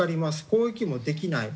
攻撃もできない。